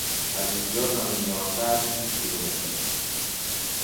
از اینجا تا نیاسر بیست کیلومتر است.